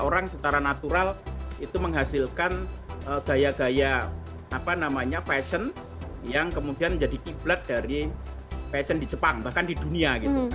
orang secara natural itu menghasilkan gaya gaya apa namanya fashion yang kemudian menjadi kiblat dari fashion di jepang bahkan di dunia